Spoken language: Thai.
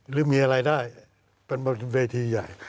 หรือมีอะไรได้เป็นบนเวทีใหญ่